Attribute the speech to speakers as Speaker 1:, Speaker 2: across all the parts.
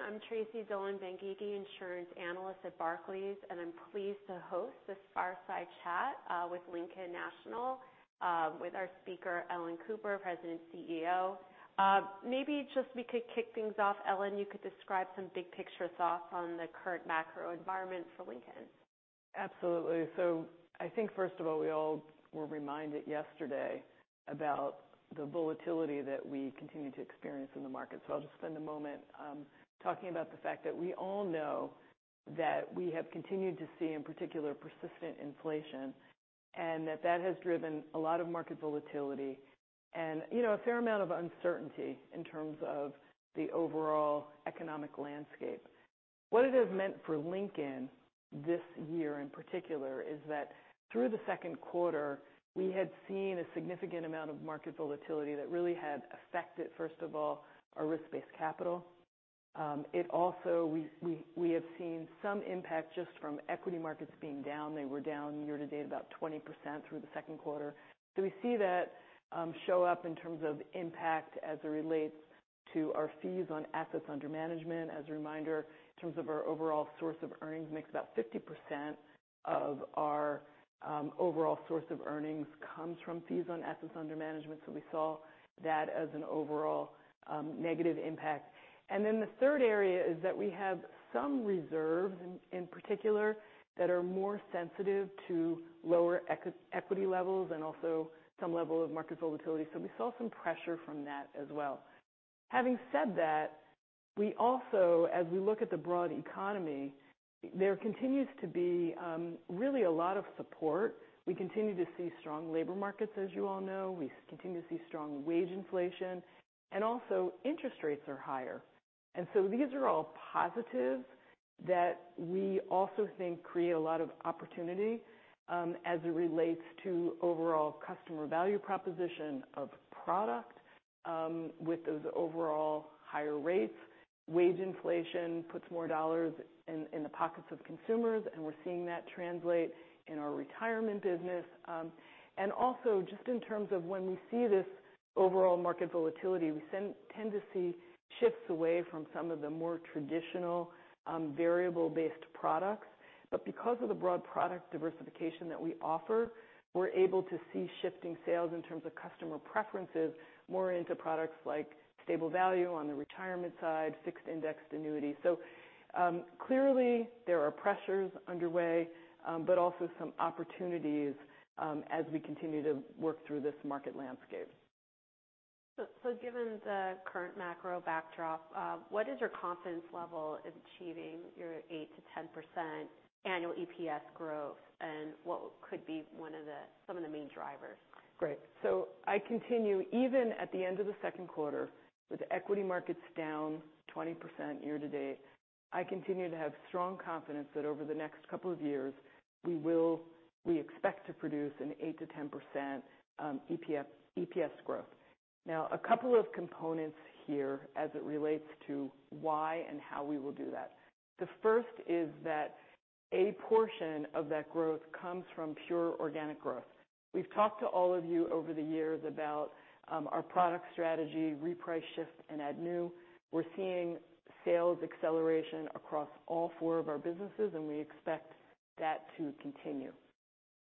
Speaker 1: Everyone, I'm Tracy Dolin-Benguigui, Bank Insurance Analyst at Barclays. I'm pleased to host this fireside chat with Lincoln National, with our speaker, Ellen Cooper, President, CEO. Maybe just we could kick things off, Ellen, you could describe some big picture thoughts on the current macro environment for Lincoln.
Speaker 2: Absolutely. I think first of all, we all were reminded yesterday about the volatility that we continue to experience in the market. I'll just spend a moment talking about the fact that we all know that we have continued to see, in particular, persistent inflation, that has driven a lot of market volatility and a fair amount of uncertainty in terms of the overall economic landscape. What it has meant for Lincoln this year in particular is that through the second quarter, we had seen a significant amount of market volatility that really had affected, first of all, our risk-based capital. We have seen some impact just from equity markets being down. They were down year to date about 20% through the second quarter. We see that show up in terms of impact as it relates to our fees on assets under management. As a reminder, in terms of our overall source of earnings mix, about 50% of our overall source of earnings comes from fees on assets under management. We saw that as an overall negative impact. The third area is that we have some reserves in particular that are more sensitive to lower equity levels and also some level of market volatility. We saw some pressure from that as well. Having said that, we also, as we look at the broad economy, there continues to be really a lot of support. We continue to see strong labor markets, as you all know. We continue to see strong wage inflation, also interest rates are higher. These are all positive that we also think create a lot of opportunity as it relates to overall customer value proposition of product with those overall higher rates. Wage inflation puts more dollars in the pockets of consumers, we're seeing that translate in our retirement business. Also just in terms of when we see this overall market volatility, we tend to see shifts away from some of the more traditional variable-based products. Because of the broad product diversification that we offer, we're able to see shifting sales in terms of customer preferences more into products like stable value on the retirement side, fixed indexed annuity. Clearly there are pressures underway, but also some opportunities as we continue to work through this market landscape.
Speaker 1: Given the current macro backdrop, what is your confidence level in achieving your 8%-10% annual EPS growth, and what could be some of the main drivers?
Speaker 2: Great. I continue, even at the end of the second quarter, with equity markets down 20% year to date, I continue to have strong confidence that over the next couple of years, we expect to produce an 8%-10% EPS growth. A couple of components here as it relates to why and how we will do that. The first is that a portion of that growth comes from pure organic growth. We've talked to all of you over the years about our product strategy, reprice, shift, and add new. We're seeing sales acceleration across all four of our businesses, and we expect that to continue.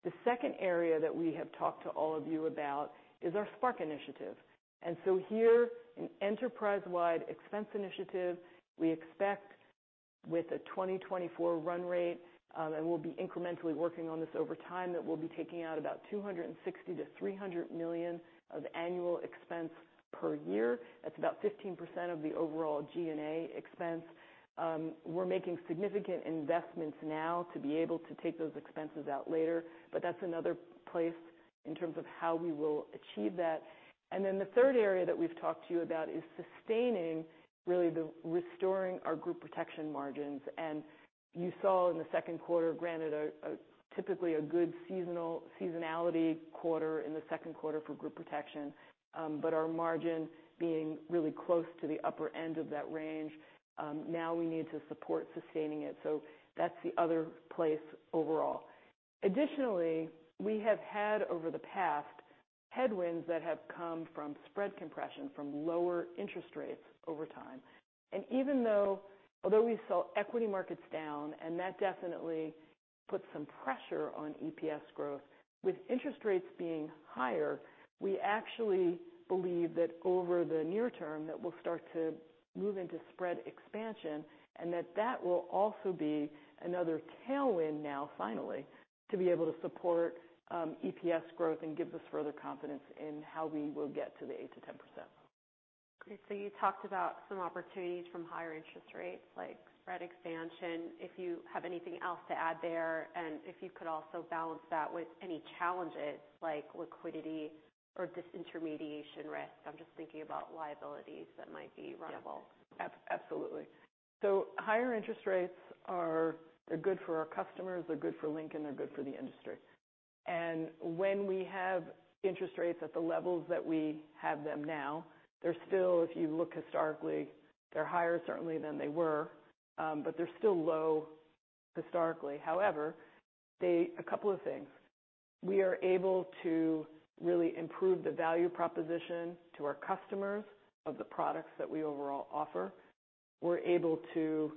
Speaker 2: The second area that we have talked to all of you about is our Spark initiative. Here, an enterprise-wide expense initiative we expect with a 2024 run rate, and we'll be incrementally working on this over time. That will be taking out about $260 million-$300 million of annual expense per year. That's about 15% of the overall G&A expense. We're making significant investments now to be able to take those expenses out later, but that's another place in terms of how we will achieve that. The third area that we've talked to you about is sustaining, really restoring our group protection margins. You saw in the second quarter, granted, typically a good seasonality quarter in the second quarter for group protection. Our margin being really close to the upper end of that range. We need to support sustaining it. That's the other place overall. Additionally, we have had over the past headwinds that have come from spread compression from lower interest rates over time. Even though, although we saw equity markets down and that definitely put some pressure on EPS growth, with interest rates being higher, we actually believe that over the near term that we'll start to move into spread expansion and that will also be another tailwind now finally, to be able to support EPS growth and give us further confidence in how we will get to the 8%-10%.
Speaker 1: Great. You talked about some opportunities from higher interest rates like spread expansion, if you have anything else to add there, and if you could also balance that with any challenges like liquidity or disintermediation risk. I'm just thinking about liabilities that might be runnable.
Speaker 2: Absolutely. Higher interest rates are good for our customers, they're good for Lincoln, they're good for the industry. When we have interest rates at the levels that we have them now, they're still, if you look historically, they're higher certainly than they were. They're still low historically. However, a couple of things. We are able to really improve the value proposition to our customers of the products that we overall offer. We're able to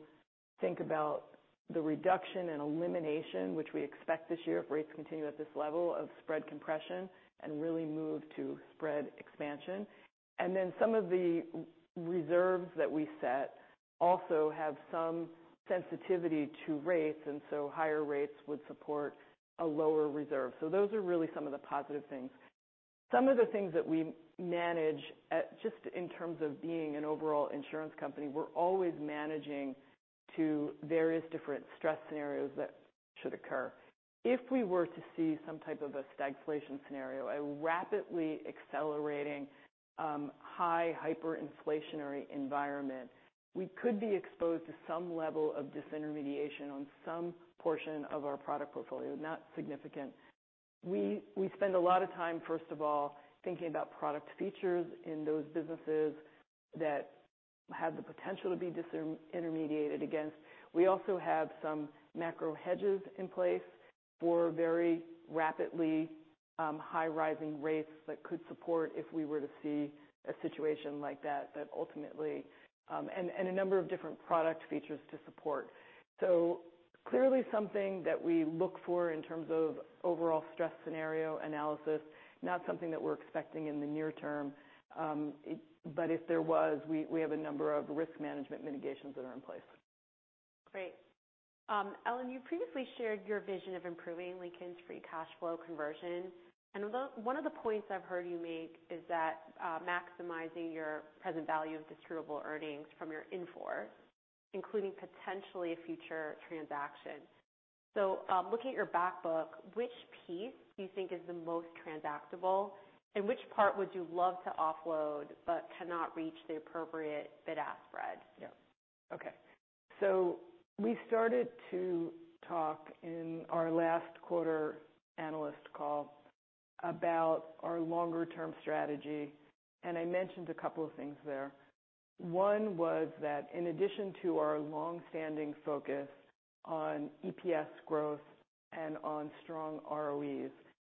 Speaker 2: think about the reduction and elimination, which we expect this year if rates continue at this level of spread compression, and really move to spread expansion. Then some of the reserves that we set also have some sensitivity to rates, and higher rates would support a lower reserve. Those are really some of the positive things. Some of the things that we manage just in terms of being an overall insurance company, we're always managing to various different stress scenarios that should occur. If we were to see some type of a stagflation scenario, a rapidly accelerating, high hyperinflationary environment, we could be exposed to some level of disintermediation on some portion of our product portfolio, not significant. We spend a lot of time, first of all, thinking about product features in those businesses that have the potential to be intermediated against. We also have some macro hedges in place for very rapidly high rising rates that could support if we were to see a situation like that, and a number of different product features to support. Clearly something that we look for in terms of overall stress scenario analysis, not something that we're expecting in the near term. If there was, we have a number of risk management mitigations that are in place.
Speaker 1: Great. Ellen, you previously shared your vision of improving Lincoln's free cash flow conversion. One of the points I've heard you make is that maximizing your present value of distributable earnings from your in-force, including potentially a future transaction. Looking at your back book, which piece do you think is the most transactable? Which part would you love to offload but cannot reach the appropriate bid-ask spread?
Speaker 2: Okay. We started to talk in our last quarter analyst call about our longer term strategy, and I mentioned a couple of things there. One was that in addition to our longstanding focus on EPS growth and on strong ROEs,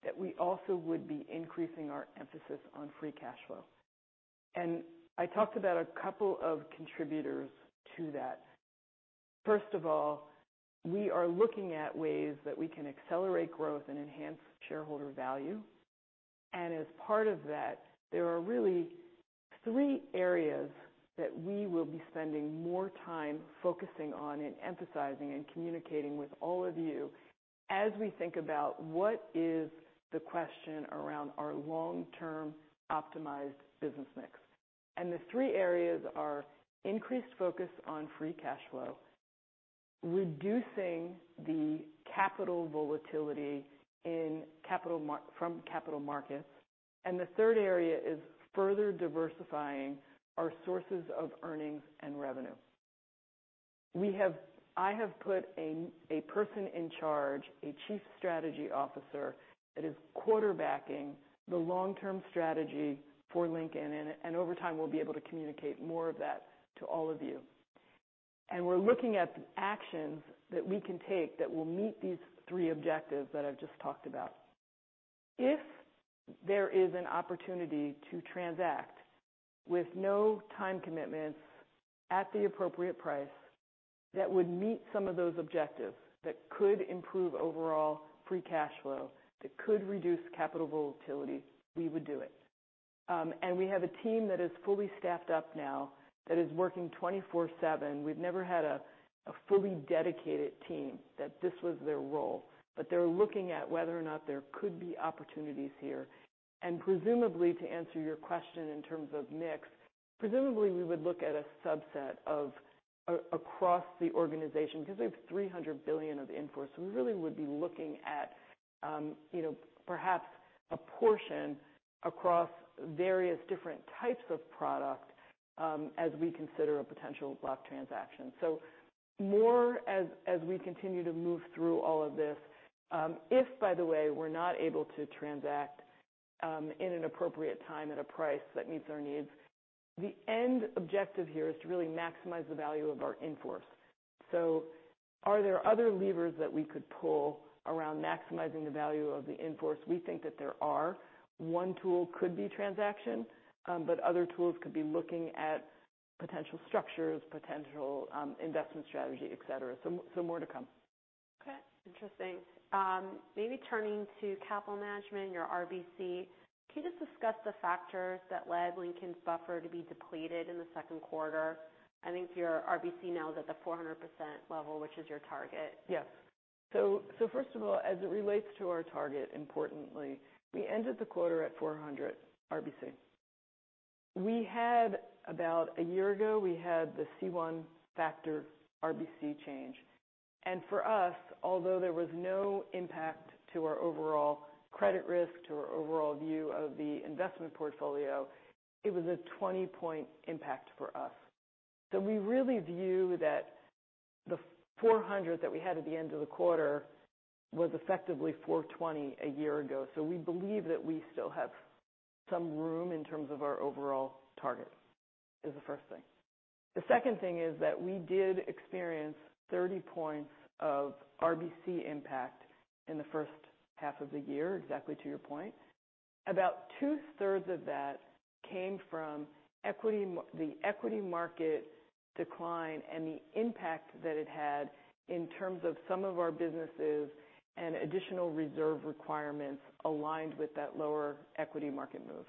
Speaker 2: that we also would be increasing our emphasis on free cash flow. I talked about a couple of contributors to that. First of all, we are looking at ways that we can accelerate growth and enhance shareholder value. As part of that, there are really three areas that we will be spending more time focusing on and emphasizing and communicating with all of you as we think about what is the question around our long-term optimized business mix. The three areas are increased focus on free cash flow, reducing the capital volatility from capital markets, and the third area is further diversifying our sources of earnings and revenue. I have put a person in charge, a chief strategy officer, that is quarterbacking the long-term strategy for Lincoln. Over time, we'll be able to communicate more of that to all of you. We're looking at actions that we can take that will meet these three objectives that I've just talked about. If there is an opportunity to transact with no time commitments at the appropriate price, that would meet some of those objectives, that could improve overall free cash flow, that could reduce capital volatility, we would do it. We have a team that is fully staffed up now that is working 24/7. We've never had a fully dedicated team that this was their role, but they're looking at whether or not there could be opportunities here. Presumably to answer your question in terms of mix, presumably we would look at a subset across the organization because we have $300 billion of in-force. We really would be looking at perhaps a portion across various different types of product as we consider a potential block transaction. More as we continue to move through all of this. If, by the way, we're not able to transact in an appropriate time at a price that meets our needs, the end objective here is to really maximize the value of our in-force. Are there other levers that we could pull around maximizing the value of the in-force? We think that there are. One tool could be transaction, but other tools could be looking at potential structures, potential investment strategy, et cetera. More to come.
Speaker 1: Okay. Interesting. Maybe turning to capital management, your RBC. Can you just discuss the factors that led Lincoln's buffer to be depleted in the second quarter? I think your RBC now is at the 400% level, which is your target.
Speaker 2: Yes. First of all, as it relates to our target, importantly, we ended the quarter at 400 RBC. About a year ago, we had the C1 factor RBC change. For us, although there was no impact to our overall credit risk, to our overall view of the investment portfolio, it was a 20-point impact for us. We really view that the 400 that we had at the end of the quarter was effectively 420 a year ago. We believe that we still have Some room in terms of our overall target is the first thing. The second thing is that we did experience 30 points of RBC impact in the first half of the year, exactly to your point. About two-thirds of that came from the equity market decline and the impact that it had in terms of some of our businesses and additional reserve requirements aligned with that lower equity market move.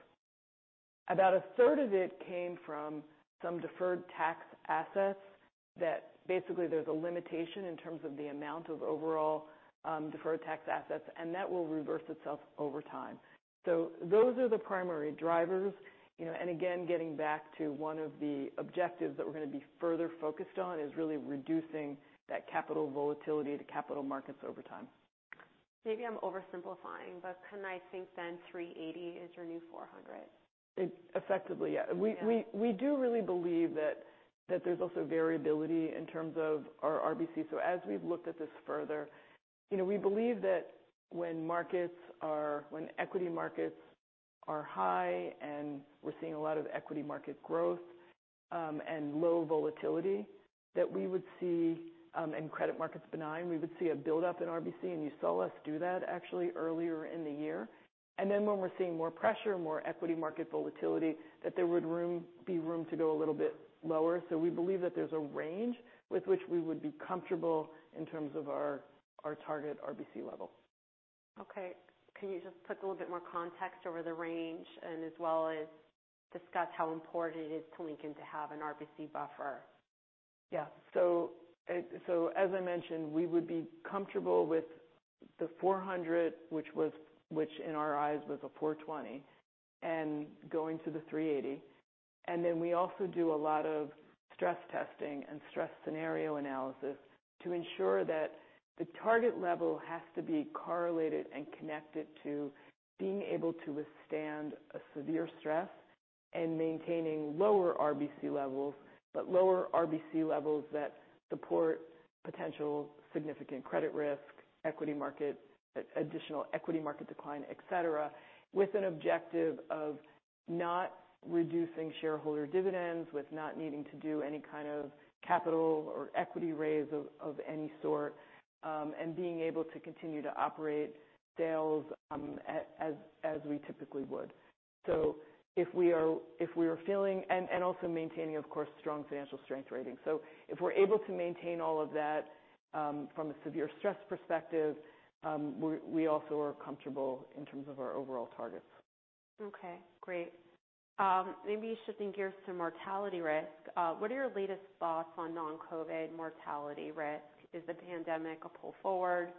Speaker 2: About a third of it came from some deferred tax assets that basically there's a limitation in terms of the amount of overall deferred tax assets, and that will reverse itself over time. Those are the primary drivers. Again, getting back to one of the objectives that we're going to be further focused on is really reducing that capital volatility to capital markets over time.
Speaker 1: Maybe I'm oversimplifying, but can I think then 380 is your new 400?
Speaker 2: Effectively, yeah.
Speaker 1: Yeah.
Speaker 2: We do really believe that there's also variability in terms of our RBC. As we've looked at this further, we believe that when equity markets are high and we're seeing a lot of equity market growth and low volatility, and credit market's benign, we would see a buildup in RBC, and you saw us do that actually earlier in the year. Then when we're seeing more pressure, more equity market volatility, that there would be room to go a little bit lower. We believe that there's a range with which we would be comfortable in terms of our target RBC level.
Speaker 1: Okay. Can you just put a little bit more context over the range and as well as discuss how important it is to Lincoln to have an RBC buffer?
Speaker 2: As I mentioned, we would be comfortable with the 400, which in our eyes was a 420, and going to the 380. Then we also do a lot of stress testing and stress scenario analysis to ensure that the target level has to be correlated and connected to being able to withstand a severe stress and maintaining lower RBC levels, but lower RBC levels that support potential significant credit risk, additional equity market decline, et cetera, with an objective of not reducing shareholder dividends, with not needing to do any kind of capital or equity raise of any sort, and being able to continue to operate sales as we typically would. Also maintaining, of course, strong financial strength ratings. If we're able to maintain all of that from a severe stress perspective, we also are comfortable in terms of our overall targets.
Speaker 1: Okay, great. Maybe shifting gears to mortality risk. What are your latest thoughts on non-COVID mortality risk? Is the pandemic a pull forward?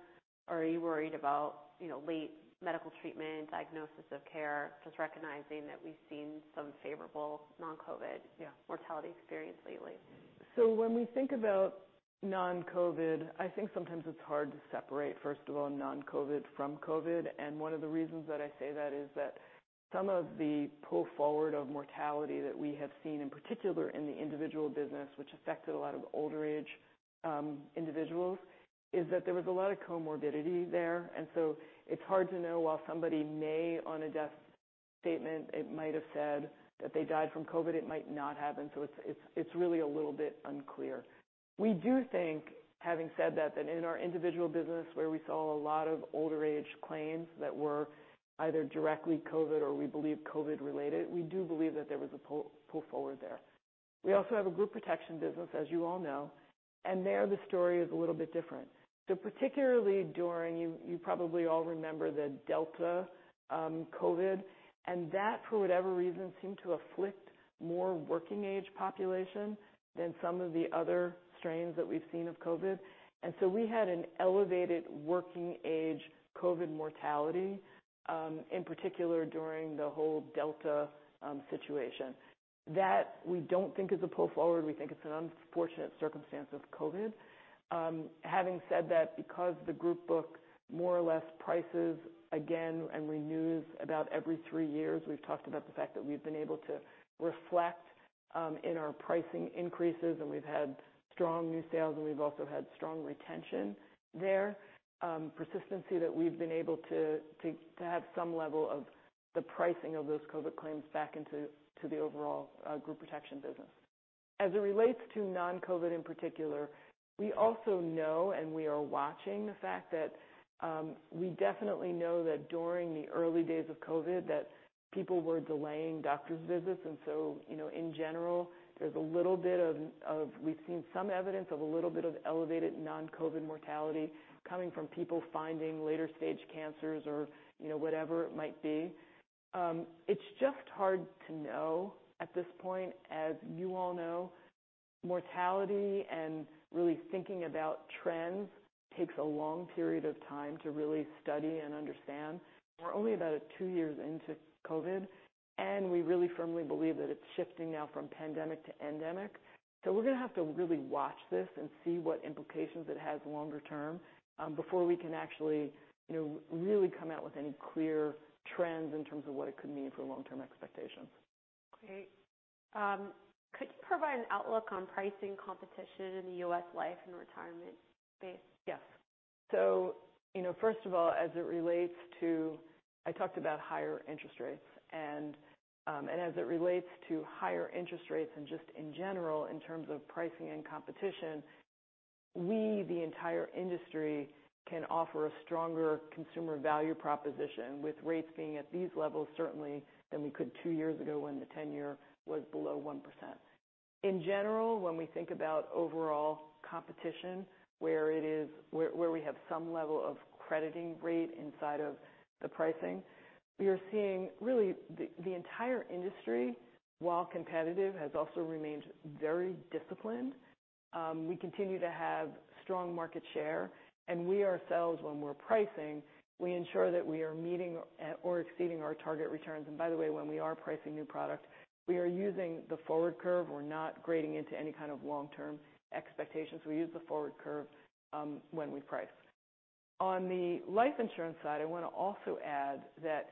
Speaker 1: Are you worried about late medical treatment, diagnosis of care? Just recognizing that we've seen some favorable non-COVID
Speaker 2: Yeah
Speaker 1: mortality experience lately.
Speaker 2: When we think about non-COVID, I think sometimes it's hard to separate, first of all, non-COVID from COVID. One of the reasons that I say that is that some of the pull forward of mortality that we have seen, in particular in the individual business, which affected a lot of older age individuals, is that there was a lot of comorbidity there. It's hard to know while somebody may on a death statement, it might have said that they died from COVID, it might not have. It's really a little bit unclear. We do think, having said that in our individual business where we saw a lot of older age claims that were either directly COVID or we believe COVID related, we do believe that there was a pull forward there. We also have a group protection business, as you all know, and there the story is a little bit different. Particularly during, you probably all remember the Delta COVID, and that for whatever reason, seemed to afflict more working age population than some of the other strains that we've seen of COVID. We had an elevated working age COVID mortality, in particular during the whole Delta situation. That we don't think is a pull forward. We think it's an unfortunate circumstance of COVID. Having said that, because the group book more or less prices again and renews about every 3 years, we've talked about the fact that we've been able to reflect in our pricing increases, and we've had strong new sales, and we've also had strong retention there. Persistency that we've been able to have some level of the pricing of those COVID claims back into the overall group protection business. As it relates to non-COVID in particular, we also know, and we are watching the fact that we definitely know that during the early days of COVID that people were delaying doctor's visits. In general, we've seen some evidence of a little bit of elevated non-COVID mortality coming from people finding later stage cancers or whatever it might be. It's just hard to know at this point. As you all know, mortality and really thinking about trends takes a long period of time to really study and understand. We're only about 2 years into COVID, and we really firmly believe that it's shifting now from pandemic to endemic. We're going to have to really watch this and see what implications it has longer term before we can actually really come out with any clear trends in terms of what it could mean for long-term expectations.
Speaker 1: Great. Could you provide an outlook on pricing competition in the U.S. life and retirement space?
Speaker 2: First of all, as it relates to, I talked about higher interest rates, as it relates to higher interest rates and just in general, in terms of pricing and competition, we, the entire industry, can offer a stronger consumer value proposition with rates being at these levels certainly than we could 2 years ago when the 10-year was below 1%. In general, when we think about overall competition, where we have some level of crediting rate inside of the pricing, we are seeing really the entire industry, while competitive, has also remained very disciplined. We continue to have strong market share, and we ourselves, when we're pricing, we ensure that we are meeting or exceeding our target returns. By the way, when we are pricing new product, we are using the forward curve. We're not grading into any kind of long-term expectations. We use the forward curve when we price. On the life insurance side, I want to also add that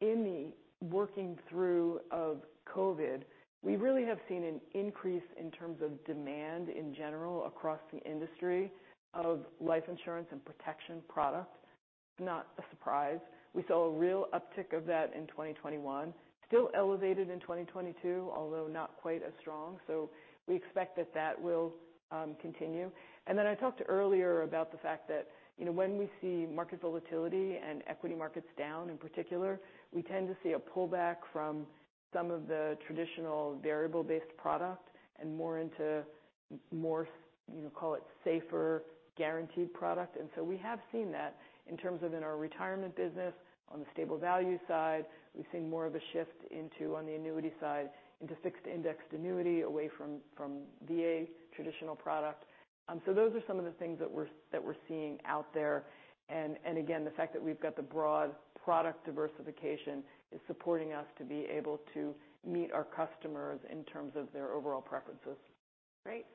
Speaker 2: in the working through of COVID, we really have seen an increase in terms of demand in general across the industry of life insurance and protection products. Not a surprise. We saw a real uptick of that in 2021. Still elevated in 2022, although not quite as strong. We expect that that will continue. Then I talked earlier about the fact that when we see market volatility and equity markets down in particular, we tend to see a pullback from some of the traditional variable-based product and more into more, call it safer, guaranteed product. We have seen that in terms of in our retirement business, on the stable value side, we've seen more of a shift into, on the annuity side, into fixed indexed annuity away from VA traditional product. Those are some of the things that we're seeing out there. Again, the fact that we've got the broad product diversification is supporting us to be able to meet our customers in terms of their overall preferences.
Speaker 1: Great.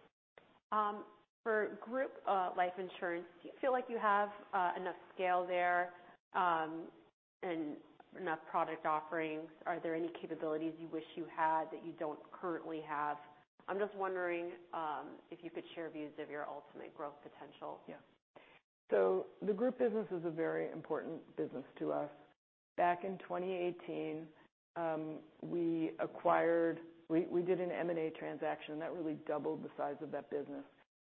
Speaker 1: For group life insurance, do you feel like you have enough scale there, and enough product offerings? Are there any capabilities you wish you had that you don't currently have? I'm just wondering if you could share views of your ultimate growth potential.
Speaker 2: Yeah. The group business is a very important business to us. Back in 2018, we did an M&A transaction that really doubled the size of that business.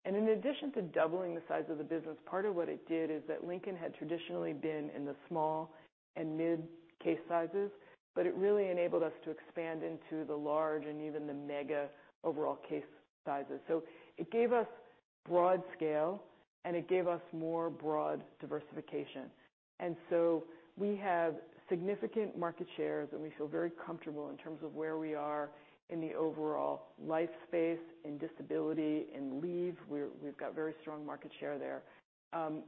Speaker 2: In addition to doubling the size of the business, part of what it did is that Lincoln had traditionally been in the small and mid case sizes, but it really enabled us to expand into the large and even the mega overall case sizes. It gave us broad scale, and it gave us more broad diversification. We have significant market shares, and we feel very comfortable in terms of where we are in the overall life space, in disability, in leave. We've got very strong market share there.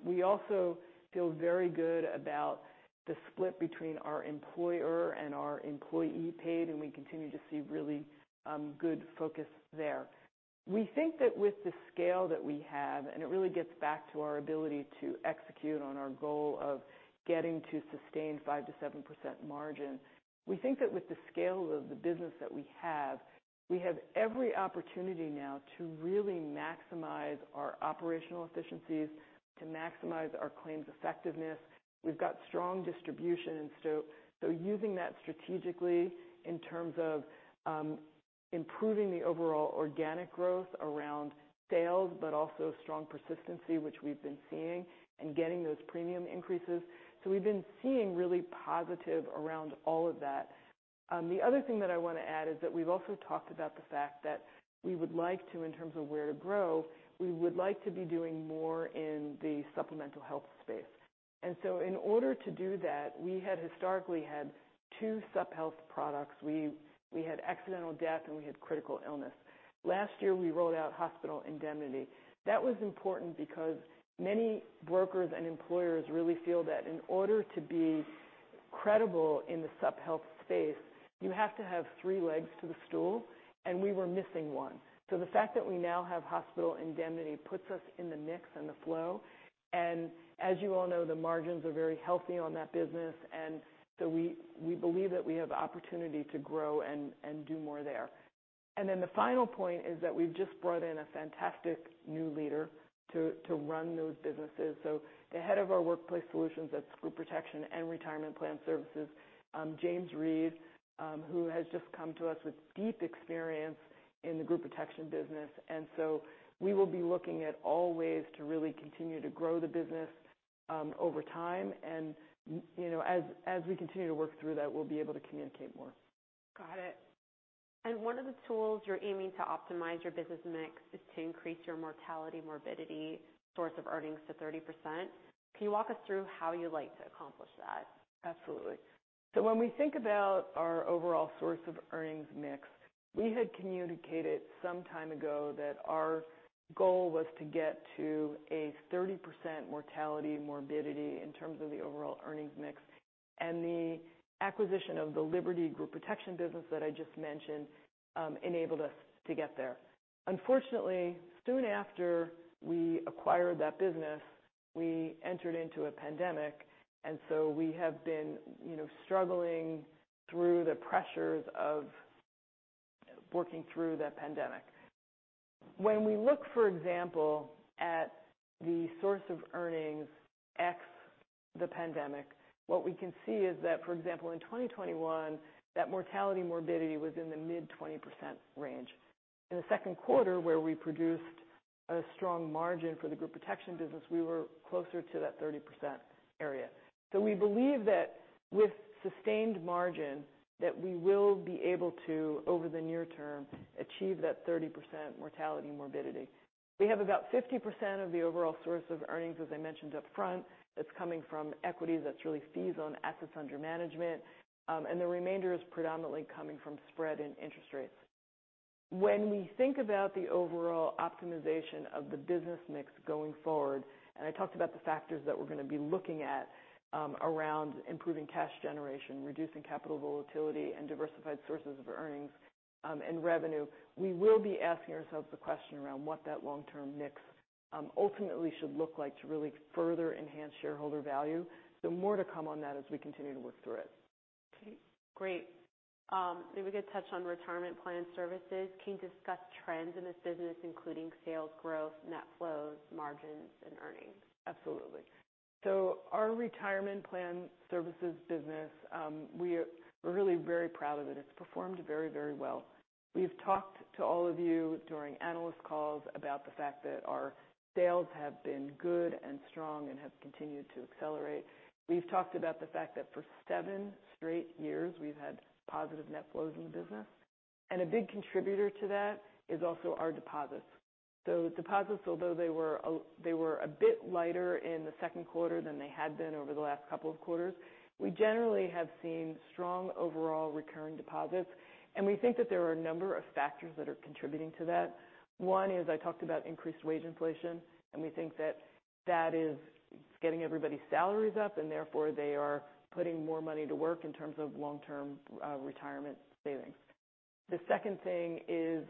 Speaker 2: We also feel very good about the split between our employer and our employee paid, and we continue to see really good focus there. We think that with the scale that we have, and it really gets back to our ability to execute on our goal of getting to sustained 5% to 7% margin. We think that with the scale of the business that we have, we have every opportunity now to really maximize our operational efficiencies, to maximize our claims effectiveness. We've got strong distribution. Using that strategically in terms of improving the overall organic growth around sales, but also strong persistency, which we've been seeing, and getting those premium increases. We've been seeing really positive around all of that. The other thing that I want to add is that we've also talked about the fact that we would like to, in terms of where to grow, we would like to be doing more in the supplemental health space. In order to do that, we had historically had two sup-health products. We had accidental death and we had Critical Illness. Last year, we rolled out hospital indemnity. That was important because many brokers and employers really feel that in order to be credible in the sup-health space, you have to have three legs to the stool, and we were missing one. The fact that we now have hospital indemnity puts us in the mix and the flow. As you all know, the margins are very healthy on that business. We believe that we have opportunity to grow and do more there. The final point is that we've just brought in a fantastic new leader to run those businesses. The head of our Workplace Solutions, that's Group Protection and Retirement Plan Services, James Reid who has just come to us with deep experience in the Group Protection business. We will be looking at all ways to really continue to grow the business over time. As we continue to work through that, we'll be able to communicate more.
Speaker 1: Got it. One of the tools you're aiming to optimize your business mix is to increase your mortality, morbidity source of earnings to 30%. Can you walk us through how you like to accomplish that?
Speaker 2: Absolutely. When we think about our overall source of earnings mix, we had communicated some time ago that our goal was to get to a 30% mortality, morbidity in terms of the overall earnings mix. The acquisition of the Liberty group protection business that I just mentioned enabled us to get there. Unfortunately, soon after we acquired that business, we entered into a pandemic, we have been struggling through the pressures of working through that pandemic. When we look, for example, at the source of earnings ex the pandemic, what we can see is that, for example, in 2021, that mortality morbidity was in the mid-20% range. In the second quarter, where we produced a strong margin for the group protection business, we were closer to that 30% area. We believe that with sustained margin, that we will be able to, over the near term, achieve that 30% mortality, morbidity. We have about 50% of the overall source of earnings, as I mentioned up front, that's really fees on assets under management. The remainder is predominantly coming from spread in interest rates. When we think about the overall optimization of the business mix going forward, I talked about the factors that we're going to be looking at around improving cash generation, reducing capital volatility, and diversified sources of earnings and revenue. We will be asking ourselves the question around what that long-term mix ultimately should look like to really further enhance shareholder value. More to come on that as we continue to work through it.
Speaker 1: Okay, great. Maybe we could touch on Retirement Plan Services. Can you discuss trends in this business, including sales growth, net flows, margins, and earnings?
Speaker 2: Absolutely. Our Retirement Plan Services business, we are really very proud of it. It's performed very well. We've talked to all of you during analyst calls about the fact that our sales have been good and strong and have continued to accelerate. We've talked about the fact that for 7 straight years, we've had positive net flows in the business. A big contributor to that is also our deposits. Deposits, although they were a bit lighter in the 2Q than they had been over the last two quarters, we generally have seen strong overall recurring deposits, and we think that there are a number of factors that are contributing to that. One is I talked about increased wage inflation, and we think that that is getting everybody's salaries up, and therefore, they are putting more money to work in terms of long-term retirement savings. The second thing is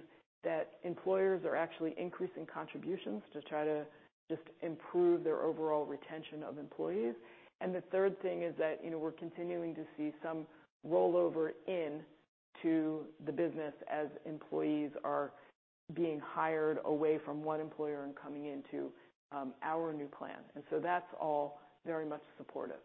Speaker 2: that employers are actually increasing contributions to try to just improve their overall retention of employees. The third thing is that we're continuing to see some rollover into the business as employees are being hired away from one employer and coming into our new plan. That's all very much supportive.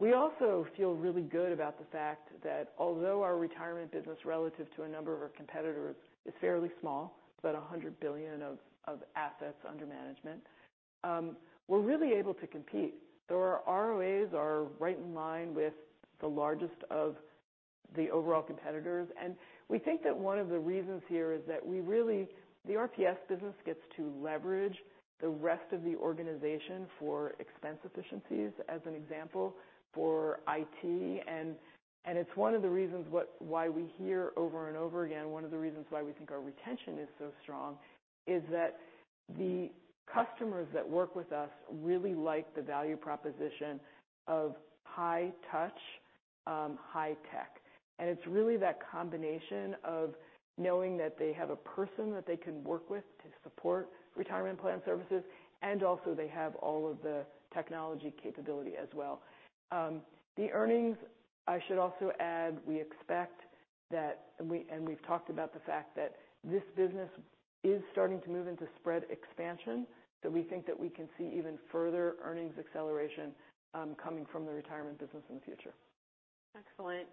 Speaker 2: We also feel really good about the fact that although our retirement business relative to a number of our competitors is fairly small, it's about $100 billion of assets under management, we're really able to compete. Our ROA are right in line with the largest of the overall competitors, and we think that one of the reasons here is that the RPS business gets to leverage the rest of the organization for expense efficiencies, as an example, for IT. It's one of the reasons why we hear over and over again, one of the reasons why we think our retention is so strong is that the customers that work with us really like the value proposition of high touch, high tech. It's really that combination of knowing that they have a person that they can work with to support Retirement Plan Services, and also they have all of the technology capability as well. The earnings, I should also add, we expect that, and we've talked about the fact that this business is starting to move into spread expansion, we think that we can see even further earnings acceleration coming from the retirement business in the future.
Speaker 1: Excellent.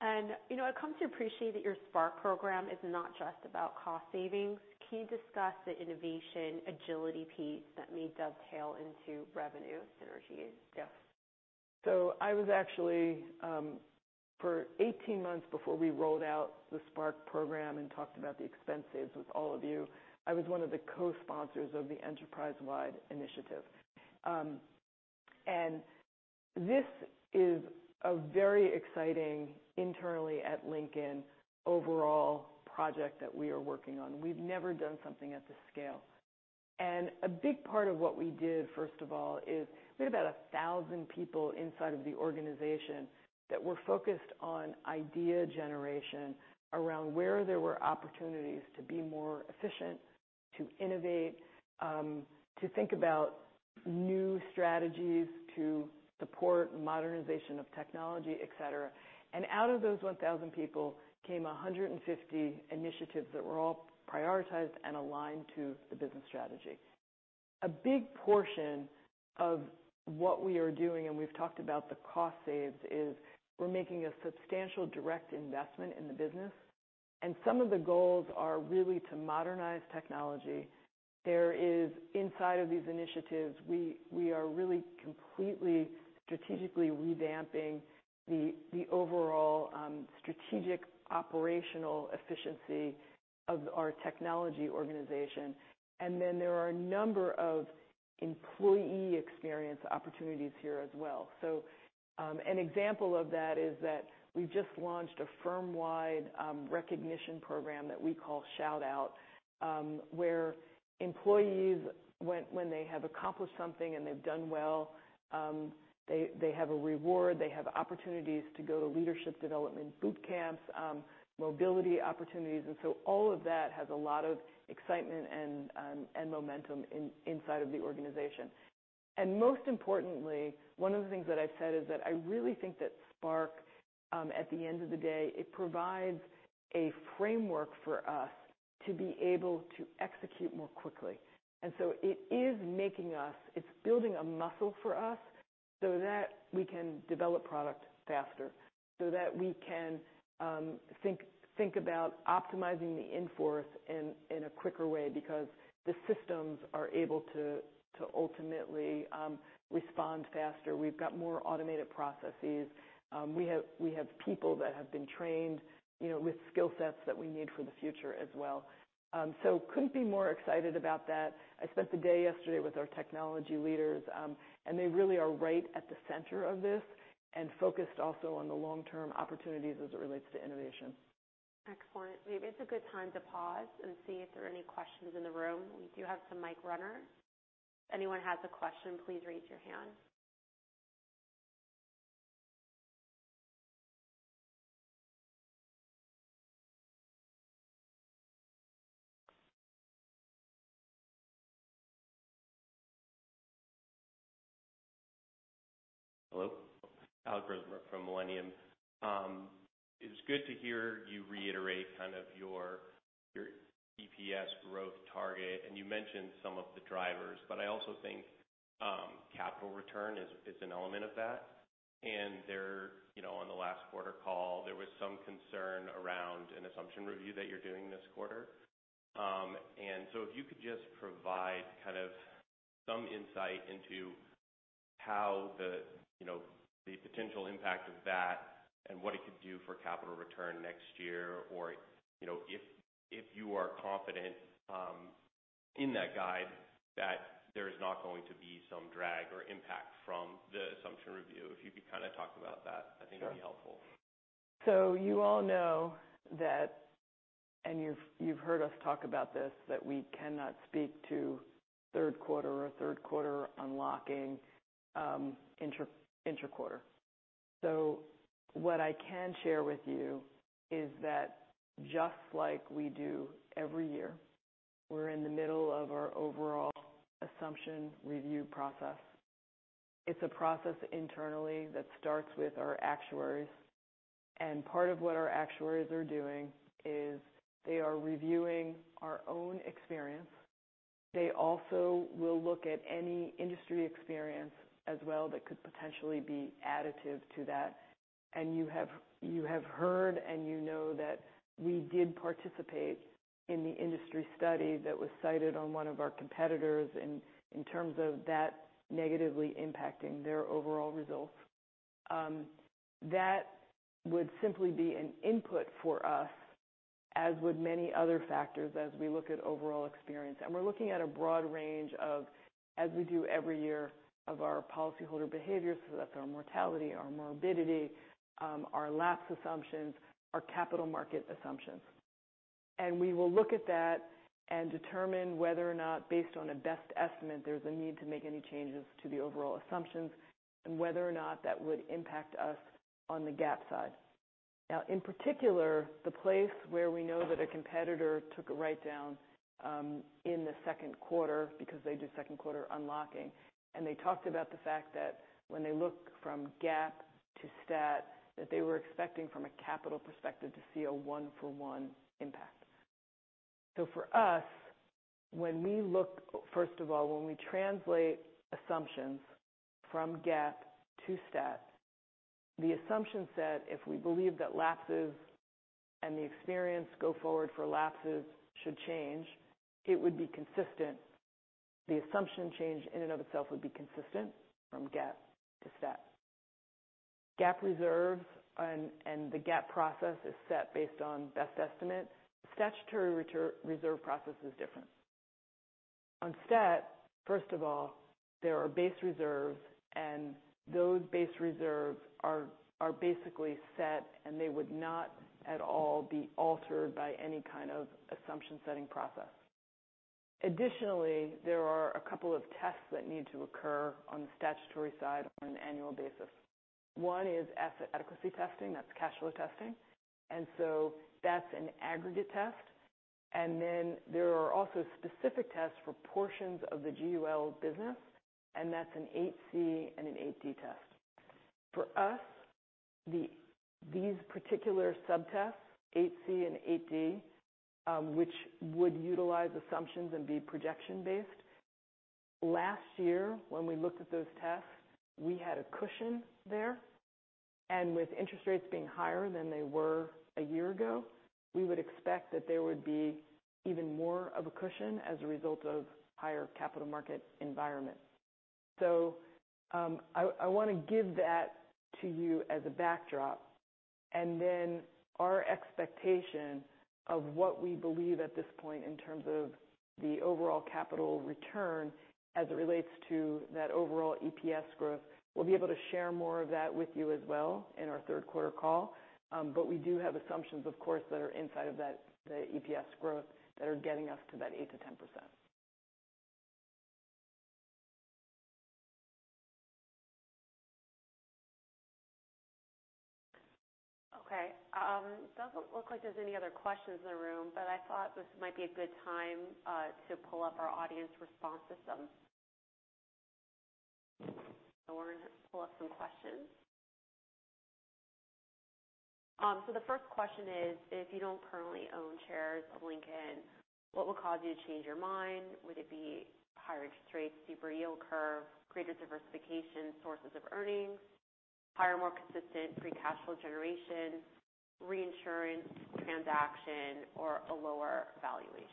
Speaker 1: I've come to appreciate that your Spark program is not just about cost savings. Can you discuss the innovation agility piece that may dovetail into revenue synergies?
Speaker 2: Yes. I was actually, for 18 months before we rolled out the Spark program and talked about the expense saves with all of you, I was one of the co-sponsors of the enterprise-wide initiative. This is a very exciting internally at Lincoln overall project that we are working on. We've never done something at this scale. A big part of what we did, first of all, is we had about 1,000 people inside of the organization that were focused on idea generation around where there were opportunities to be more efficient, to innovate, to think about new strategies to support modernization of technology, et cetera. Out of those 1,000 people came 150 initiatives that were all prioritized and aligned to the business strategy. A big portion of what we are doing, we've talked about the cost saves, is we're making a substantial direct investment in the business. Some of the goals are really to modernize technology. There is inside of these initiatives, we are really completely strategically revamping the overall strategic operational efficiency of our technology organization. There are a number of Employee experience opportunities here as well. An example of that is that we just launched a firm-wide recognition program that we call ShoutOut, where employees, when they have accomplished something and they've done well, they have a reward. They have opportunities to go to leadership development boot camps, mobility opportunities. All of that has a lot of excitement and momentum inside of the organization. Most importantly, one of the things that I've said is that I really think that Spark, at the end of the day, it provides a framework for us to be able to execute more quickly. It is making us, it's building a muscle for us so that we can develop product faster, so that we can think about optimizing the in-force in a quicker way because the systems are able to ultimately respond faster. We've got more automated processes. We have people that have been trained with skill sets that we need for the future as well. Couldn't be more excited about that. I spent the day yesterday with our technology leaders, they really are right at the center of this and focused also on the long-term opportunities as it relates to innovation.
Speaker 1: Excellent. Maybe it's a good time to pause and see if there are any questions in the room. We do have some mic runners. If anyone has a question, please raise your hand.
Speaker 3: Hello. Alex Gismert from Millennium. It's good to hear you reiterate your EPS growth target. You mentioned some of the drivers, but I also think capital return is an element of that. On the last quarter call, there was some concern around an assumption review that you're doing this quarter. If you could just provide some insight into the potential impact of that and what it could do for capital return next year, or if you are confident in that guide that there is not going to be some drag or impact from the assumption review. If you could talk about that.
Speaker 2: Sure
Speaker 3: I think it'd be helpful.
Speaker 2: You all know that, and you've heard us talk about this, that we cannot speak to third quarter or third quarter unlocking intra-quarter. What I can share with you is that just like we do every year, we're in the middle of our overall assumption review process. It's a process internally that starts with our actuaries. Part of what our actuaries are doing is they are reviewing our own experience. They also will look at any industry experience as well that could potentially be additive to that. You have heard and you know that we did participate in the industry study that was cited on one of our competitors in terms of that negatively impacting their overall results. That would simply be an input for us, as would many other factors as we look at overall experience. We're looking at a broad range of, as we do every year, of our policyholder behavior. That's our mortality, our morbidity, our lapse assumptions, our capital market assumptions. We will look at that and determine whether or not, based on a best estimate, there's a need to make any changes to the overall assumptions and whether or not that would impact us on the GAAP side. In particular, the place where we know that a competitor took a write-down in the second quarter because they do second quarter unlocking, and they talked about the fact that when they look from GAAP to stat that they were expecting from a capital perspective to see a one-for-one impact. For us, first of all, when we translate assumptions from GAAP to stat, the assumption said if we believe that lapses and the experience go forward for lapses should change, it would be consistent. The assumption change in and of itself would be consistent from GAAP to stat. GAAP reserves and the GAAP process is set based on best estimate. Statutory reserve process is different. On stat, first of all, there are base reserves, and those base reserves are basically set, and they would not at all be altered by any kind of assumption-setting process. Additionally, there are a couple of tests that need to occur on the statutory side on an annual basis. One is asset adequacy testing, that's cash flow testing. That's an aggregate test. There are also specific tests for portions of the GUL business, and that's an 8C and an 8D test. For us, these particular subtests, 8C and 8D, which would utilize assumptions and be projection based, last year when we looked at those tests, we had a cushion there. With interest rates being higher than they were a year ago, we would expect that there would be even more of a cushion as a result of higher capital market environment. I want to give that to you as a backdrop, and then our expectation of what we believe at this point in terms of the overall capital return as it relates to that overall EPS growth. We'll be able to share more of that with you as well in our third quarter call. We do have assumptions, of course, that are inside of that EPS growth that are getting us to that 8%-10%.
Speaker 1: Okay. It doesn't look like there's any other questions in the room, I thought this might be a good time to pull up our audience response system. We're going to pull up some questions. The first question is, if you don't currently own shares of Lincoln, what will cause you to change your mind? Would it be higher interest rates, steeper yield curve, greater diversification, sources of earnings, higher/more consistent free cash flow generation, reinsurance transaction, or a lower valuation?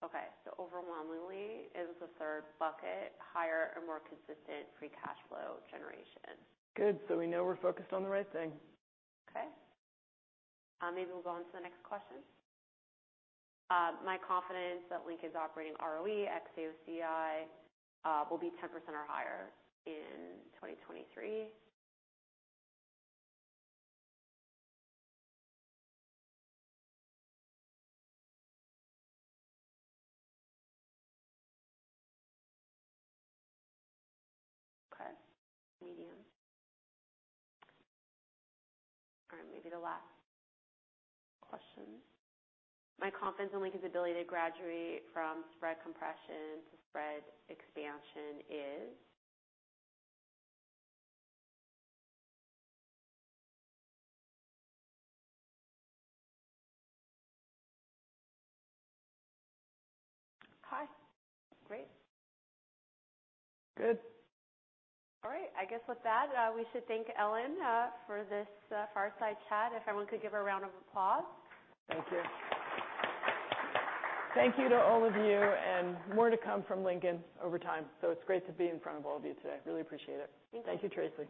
Speaker 1: Okay, overwhelmingly, it is the third bucket, higher or more consistent free cash flow generation.
Speaker 2: Good. We know we're focused on the right thing.
Speaker 1: Maybe we'll go on to the next question. My confidence that Lincoln's operating ROE ex-AOCI will be 10% or higher in 2023. Medium. Maybe the last question. My confidence in Lincoln's ability to graduate from spread compression to spread expansion is High. Great.
Speaker 2: Good.
Speaker 1: I guess with that, we should thank Ellen for this fireside chat. If everyone could give a round of applause.
Speaker 2: Thank you. Thank you to all of you, and more to come from Lincoln over time. It's great to be in front of all of you today. Really appreciate it. Thank you, Tracy.